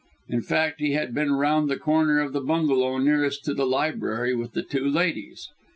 In fact, he had been round the corner of the bungalow nearest to the library with the two ladies.